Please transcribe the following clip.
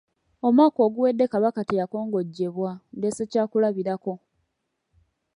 Omwaka oguwedde Kabaka teyakongojjebwa, ndeese kyakulabirako.